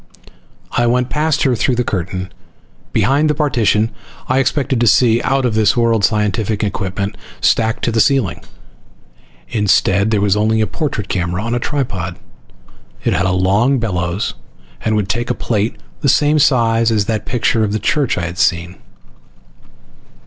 I went past her through the curtain. Behind the partition I expected to see out of this world scientific equipment stacked to the ceiling. Instead, there was only a portrait camera on a tripod. It had a long bellows and would take a plate the same size as that picture of the church I had seen.